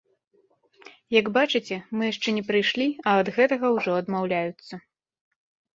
Як бачыце, мы яшчэ не прыйшлі, а ад гэтага ўжо адмаўляюцца.